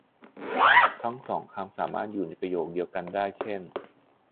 ทั้งสองคำสามารถอยู่ในประโยคเดียวกันได้ เช่น